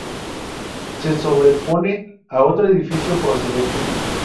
Se sobrepone a otro edificio precedente.